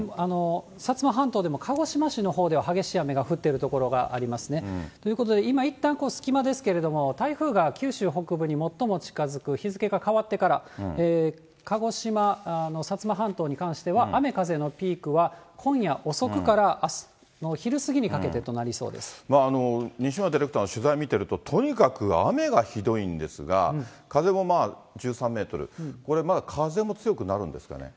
薩摩半島でも鹿児島市のほうでは激しい雨が降っている所がありますね。ということで、今、いったん隙間ですけれども、台風が九州北部に最も近づく、日付が変わってから、鹿児島の薩摩半島に関しては、雨、風のピークは、今夜遅くからあす西村ディレクターの取材見てると、とにかく雨がひどいんですが、風も１３メートル、これまだ風も強くなるんですかね。